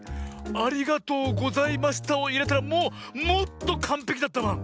「ありがとうございました」をいえたらもうもっとかんぺきだったバン。